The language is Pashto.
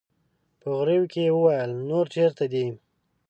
په غريو کې يې وويل: نور چېرته دي؟